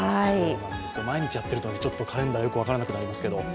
毎日やってると、よく分からなくなりますけど。